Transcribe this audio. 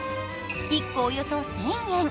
１個およそ１０００円。